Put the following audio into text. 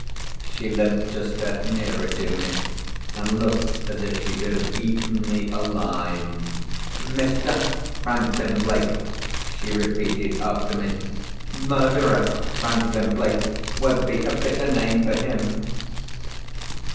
She limped a step nearer to me, and looked as if she could have eaten me alive. "Mr. Franklin Blake?" she repeated after me. "Murderer Franklin Blake would be a fitter name for him."